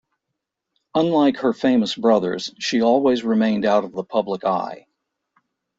Unlike her famous brothers, she always remained out of the public eye.